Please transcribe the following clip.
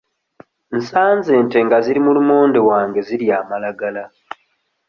Nsanze ente nga ziri mu lumonde wange zirya amalagala.